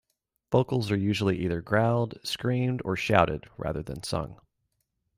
Vocals are usually either growled, screamed or shouted, rather than sung.